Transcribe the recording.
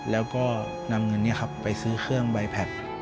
แล้วก็นำเงินไปซื้อเครื่องใบแพค